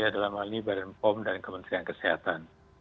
dalam hal ini badan pom dan kementerian kesehatan